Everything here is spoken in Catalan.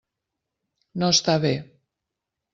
No està bé.